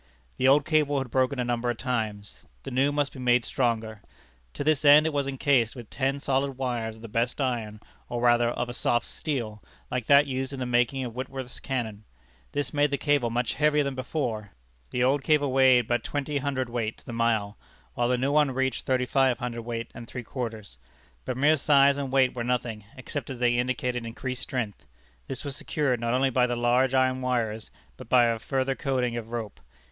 The old cable had broken a number of times. The new must be made stronger. To this end it was incased with ten solid wires of the best iron, or rather, of a soft steel, like that used in the making of Whitworth's cannon. This made the cable much heavier than before. The old cable weighed but twenty cwt. to the mile, while the new one reached thirty five cwt. and three quarters. But mere size and weight were nothing, except as they indicated increased strength. This was secured, not only by the larger iron wires, but by a further coating of rope.